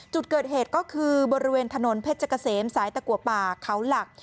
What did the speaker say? จุดเกิดเหตุก็คือบริเวณถนนเพชรเกษมสายตะกัวป่าเขาหลัก